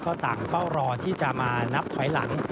ก็ต่างเฝ้ารอที่จะมานับถอยหลัง